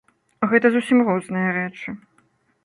Гэта зусім розныя рэчы.